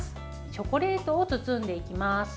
チョコレートを包んでいきます。